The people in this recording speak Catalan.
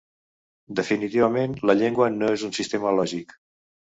Definitivament, la llengua no és un sistema lògic.